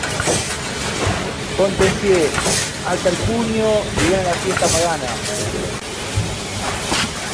Ponte en pie, alza el puño y ven a la fiesta pagana.